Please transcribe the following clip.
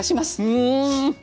うん！